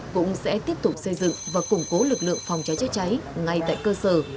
cũng sẽ tiếp tục xây dựng và củng cố lực lượng phòng cháy chữa cháy ngay tại cơ sở